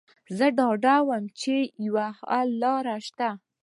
زه ډاډه وم چې یوه حل لاره شته